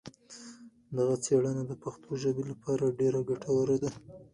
دغه څېړنه د پښتو ژبې لپاره ډېره ګټوره ده.